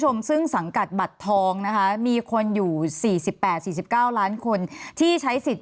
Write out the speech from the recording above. ชมซึ่งสังกัดบัตรทองนะคะมีคนอยู่๔๘๔๙ล้านคนที่ใช้สิทธิ์